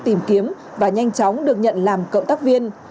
tìm kiếm và nhanh chóng được nhận làm cộng tác viên